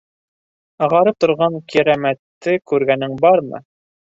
- Ағарып торған Кирәмәтте күргәнең бармы?